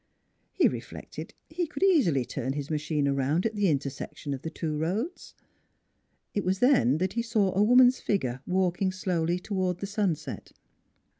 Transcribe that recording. He re flected that he could easily turn his machine around at the intersection of the two roads. It was then that he saw a woman's figure walking slowly toward the sunset.